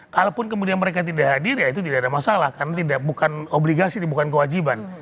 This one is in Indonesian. kalaupun kemudian mereka tidak hadir ya itu tidak ada masalah karena bukan obligasi bukan kewajiban